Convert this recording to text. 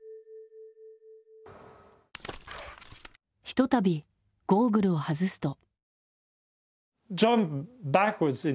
ひとたびゴーグルを外すと。